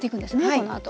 このあと。